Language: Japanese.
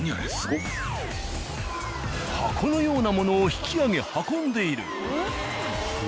箱のようなものを引き上げ運んでいる。